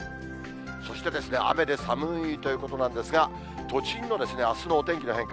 そして、雨で寒いということなんですが、都心のあすのお天気の変化。